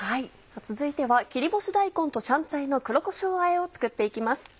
続いては切り干し大根と香菜の黒こしょうあえを作って行きます。